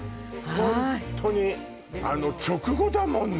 ホントにあの直後だもんね